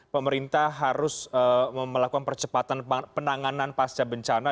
pemerintah harus melakukan percepatan penanganan pasca bencana